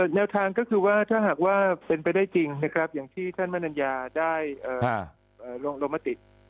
แนวทางก็คือถ้าเป็นแบบได้จริงอย่างที่ท่านมันนโอนาญาได้ลงมาติด